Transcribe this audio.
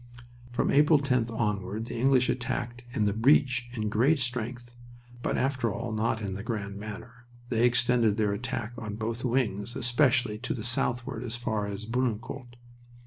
"From April 10th onward the English attacked in the breach in great strength, but after all not in the grand manner; they extended their attack on both wings, especially to the southward as far as Bullecourt.